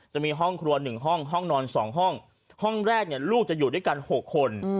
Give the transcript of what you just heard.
จะมีห้องครัว๑ห้องห้องนอน๒ห้องห้องแรกเนี่ยลูกจะอยู่ด้วยกัน๖คน